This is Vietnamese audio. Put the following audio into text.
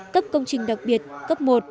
cấp công trình đặc biệt cấp một